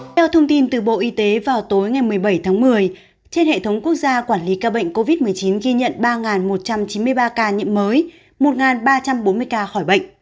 theo thông tin từ bộ y tế vào tối ngày một mươi bảy tháng một mươi trên hệ thống quốc gia quản lý ca bệnh covid một mươi chín ghi nhận ba một trăm chín mươi ba ca nhiễm mới một ba trăm bốn mươi ca khỏi bệnh